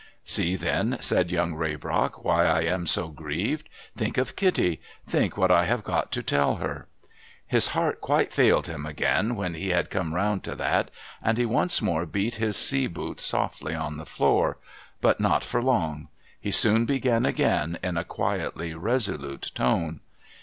' See then,' said Young Raybrock, ' why I am so grieved. Think of Kitty, Think what I have got to tell her !' His heart quite failed him again when he had come round to that, and he once more beat his sea boot softly on the floor. liut not for long ; he soon began again, in a quietly resolute tone.